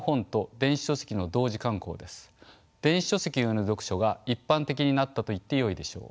電子書籍による読書が一般的になったといってよいでしょう。